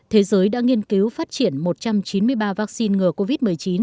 thế giới đã nghiên cứu phát triển một trăm chín mươi ba vaccine ngừa covid một mươi chín